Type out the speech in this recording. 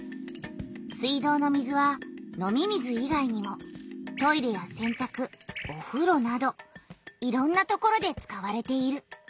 水道の水は飲み水いがいにもトイレやせんたくおふろなどいろんなところで使われている。